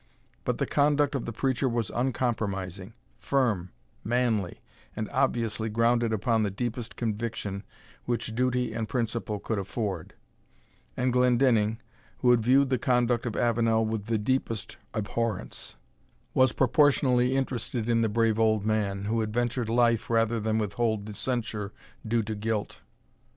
But the conduct of the preacher was uncompromising, firm, manly, and obviously grounded upon the deepest conviction which duty and principle could afford; and Glendinning, who had viewed the conduct of Avenel with the deepest abhorrence, was proportionally interested in the brave old man, who had ventured life rather than withhold the censure due to guilt.